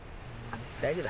大丈夫だ。